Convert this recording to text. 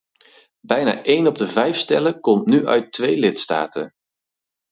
Bijna één op de vijf stellen komt nu uit twee lidstaten.